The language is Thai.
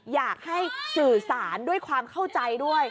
อยากให้สื่อสารด้วยความเข้าใจด้วย